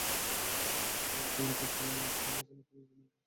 অধ্যক্ষের একটি লেখার তুমুল সমালোচনা করে নিজের নামে পত্রিকায় চিঠি লিখলেন গালোয়া।